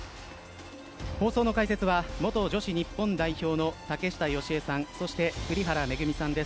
放送の解説は元女子日本代表の竹下佳江さんそして栗原恵さんです。